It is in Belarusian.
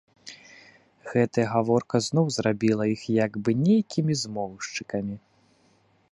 Гэтая гаворка зноў зрабіла іх як бы нейкімі змоўшчыкамі.